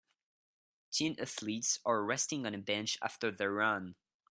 teen athletes are resting on a bench after their run